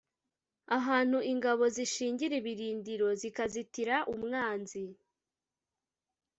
ahantu ingabo zishingira ibirindiro zikazitira umwanzi